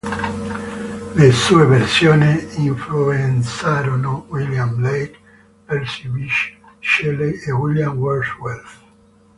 Le sue versioni influenzarono William Blake, Percy Bysshe Shelley e William Wordsworth.